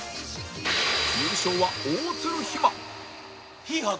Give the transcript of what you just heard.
優勝は大鶴肥満